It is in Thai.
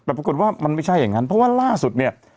แต่ปรากฏว่ามันไม่ใช่อย่างนั้นเพราะว่าล่าสุดเนี่ย